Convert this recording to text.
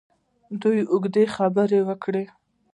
دوی اوږدې خبرې وکړې.